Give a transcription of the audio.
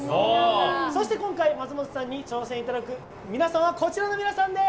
そして今回、松本さんに挑戦いただく皆さんはこちらの皆さんです。